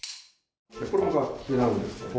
これも楽器なんですけども。